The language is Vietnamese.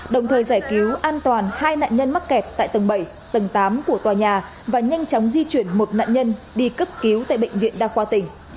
đồng thời giải cứu an toàn hai nạn nhân mắc kẹt tại tầng bảy tầng tám của tòa nhà và nhanh chóng di chuyển một nạn nhân đi cấp cứu tại bệnh viện đa khoa tỉnh